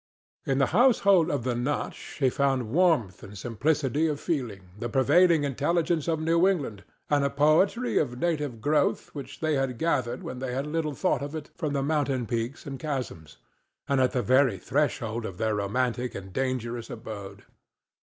In the household of the Notch he found warmth and simplicity of feeling, the pervading intelligence of New England, and a poetry of native growth which they had gathered when they little thought of it from the mountain peaks and chasms, and at the very threshold of their romantic and dangerous abode.